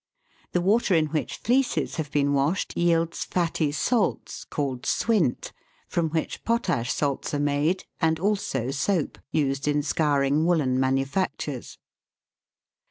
The water in which fleeces have been washed yields fatty salts, called " suint," from which potash salts are made, and also soap, used in scouring woollen manufactures.